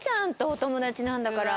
お友達なんだから。